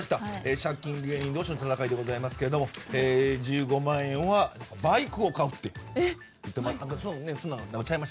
借金芸人同士の戦いでございますが１５万円はバイクを買うって言ってました。